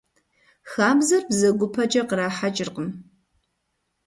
Хабзэр бзэгупэкӀэ кърахьэкӀыркъым.